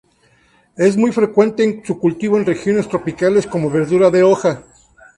Es muy frecuente su cultivo en regiones tropicales como verdura de hoja.